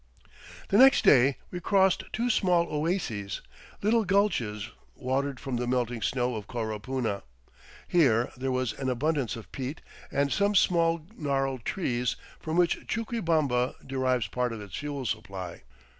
The next day we crossed two small oases, little gulches watered from the melting snow of Coropuna. Here there was an abundance of peat and some small gnarled trees from which Chuquibamba derives part of its fuel supply.